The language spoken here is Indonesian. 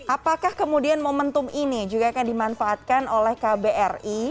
apakah kemudian momentum ini juga akan dimanfaatkan oleh kbri